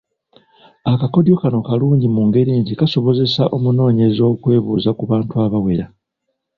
Akakodyo kano kalungi mu ngeri nti kasobozesa omunoonyereza okwebuuza ku bantu abawera.